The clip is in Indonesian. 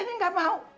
nenek nggak mau